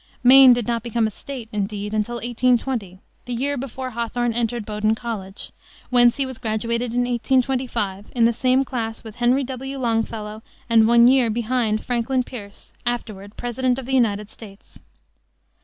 Maine did not become a State, indeed, until 1820, the year before Hawthorne entered Bowdoin College, whence he was graduated in 1825, in the same class with Henry W. Longfellow and one year behind Franklin Pierce, afterward President of the United States.